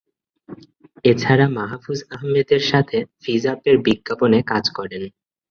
এছাড়া মাহফুজ আহমেদের সাথে "ফিজ-আপ" এর বিজ্ঞাপনে কাজ করেন।